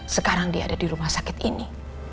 sekarang dia ada di rumah sakit ini